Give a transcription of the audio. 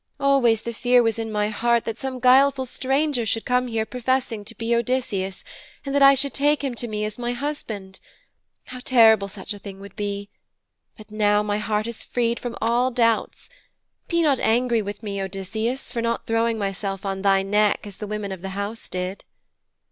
Always the fear was in my heart that some guileful stranger should come here professing to be Odysseus, and that I should take him to me as my husband. How terrible such a thing would be! But now my heart is freed from all doubts. Be not angry with me, Odysseus, for not throwing myself on thy neck, as the women of the house did.'